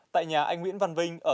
tại nhà anh nguyễn văn vinh ở tây nguyên